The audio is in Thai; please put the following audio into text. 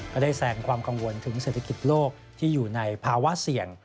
ได้แสงความกังวลถึงเศรษฐกิจโลกที่อยู่ในภาวะเสี่ยง